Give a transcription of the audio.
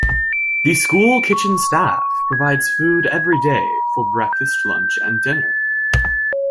The school kitchen staff provides food every day for breakfast, lunch, and dinner.